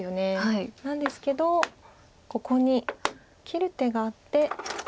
なんですけどここに切る手があって。